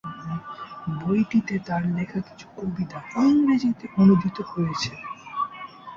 বইটিতে তার লেখা কিছু কবিতা ইংরেজিতে অনূদিত হয়েছে।